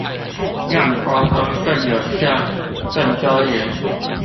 讓溝通更有效、更周延